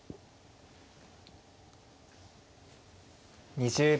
２０秒。